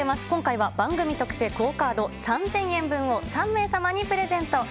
今回は番組特製クオカード３０００円分を３名様にプレゼント。